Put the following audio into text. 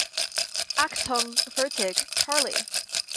Achtung, fertig, Charlie!